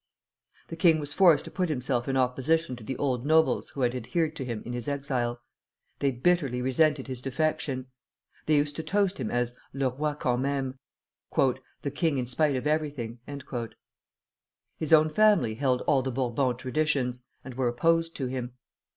The king was forced to put himself in opposition to the old nobles who had adhered to him in his exile. They bitterly resented his defection. They used to toast him as le roi quand même, "the king in spite of everything." His own family held all the Bourbon traditions, and were opposed to him.